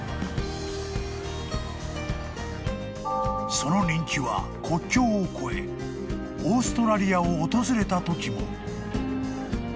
［その人気は国境を越えオーストラリアを訪れたときも］